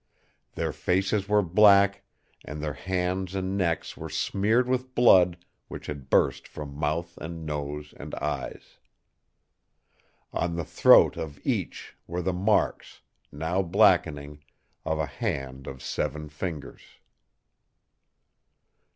Their faces were black, and their hands and necks were smeared with blood which had burst from mouth and nose and eyes. "On the throat of each were the marks, now blackening, of a hand of seven fingers.